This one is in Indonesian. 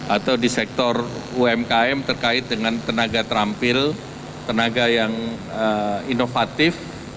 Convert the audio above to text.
atau di sektor umkm terkait dengan tenaga terampil tenaga yang inovatif